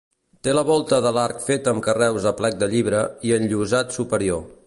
Té la volta de l'arc feta amb carreus a plec de llibre i enllosat superior.